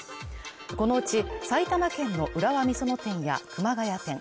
このうち埼玉県の浦和美園店や熊谷店